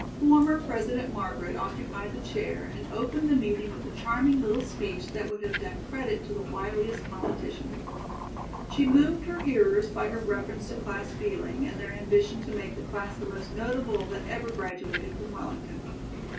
Former President Margaret occupied the chair and opened the meeting with a charming little speech that would have done credit to the wiliest politician. She moved her hearers by her reference to class feeling and their ambition to make the class the most notable that ever graduated from Wellington.